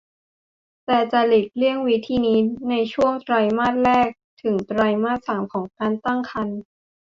แต่จะหลีกเลี่ยงวิธีนี้ในช่วงไตรมาสแรกถึงไตรมาสที่สามของการตั้งครรภ์